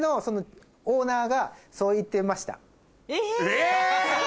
え！